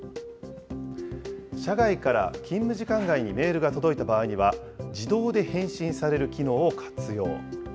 社外から勤務時間外にメールが届いた場合には、自動で返信される機能を活用。